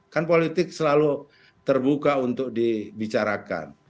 kan politik selalu terbuka untuk dibicarakan